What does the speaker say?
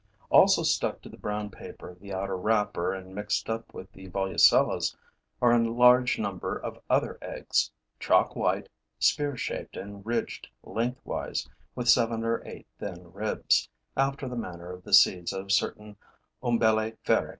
Also stuck to the brown paper of the outer wrapper and mixed up with the Volucella's are a large number of other eggs, chalk white, spear shaped and ridged lengthwise with seven or eight thin ribs, after the manner of the seeds of certain Umbelliferae.